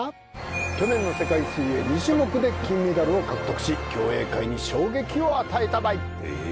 去年の世界水泳２種目で金メダルを獲得し競泳界に衝撃を与えたばい！